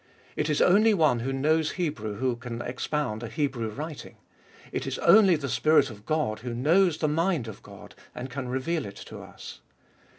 It is only one who knows Hebrew who can expound a Hebrew writing ; it is only the Spirit of God who knows the mind of God and can reveal it to us.